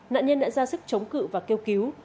nạn nhân đã ra sức chống cự và kêu cứu